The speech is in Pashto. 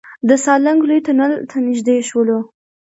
د سالنګ لوی تونل ته نزدې شولو.